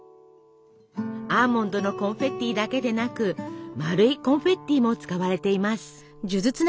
アーモンドのコンフェッティだけでなく丸いコンフェッティも使われています。